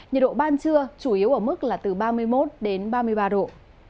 nhiệt độ ban trưa chủ yếu ở mức là từ ba mươi một đến ba mươi ba độ